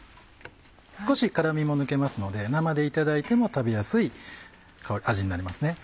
少し辛みも抜けますので生でいただいても食べやすい味になりますね。